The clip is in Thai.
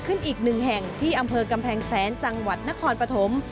ขึ้นอีกหนึ่งแห่งที่อำเภอกำแพงแสนจังหวัดนครปฐม